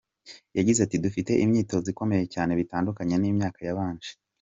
Yagize ati “Dufite imyitozo ikomeye cyane bitandukanye n’imyaka yabanje.